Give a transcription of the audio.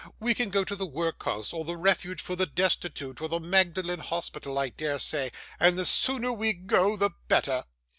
We can go to the Workhouse, or the Refuge for the Destitute, or the Magdalen Hospital, I dare say; and the sooner we go the better.